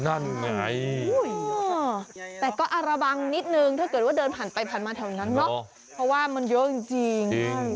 นั่นไงแต่ก็อาระวังนิดนึงถ้าเกิดว่าเดินผ่านไปผ่านมาแถวนั้นเนาะเพราะว่ามันเยอะจริง